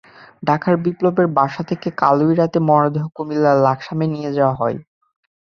ঢাকার বিপ্লবের বাসা থেকে কাল রাতেই মরদেহ কুমিল্লার লাকসামে নিয়ে যাওয়া হয়।